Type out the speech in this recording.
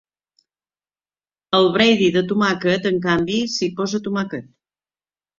Al "bredie" de tomàquet, en canvi, s'hi posa tomàquet.